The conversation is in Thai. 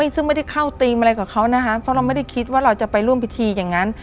ซึ่งไม่ได้เข้าธีมอะไรกับเขานะคะเพราะเราไม่ได้คิดว่าเราจะไปร่วมพิธีอย่างนั้น